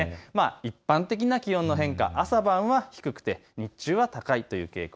一般的な気温の変化、朝晩は低くて日中は高いという傾向。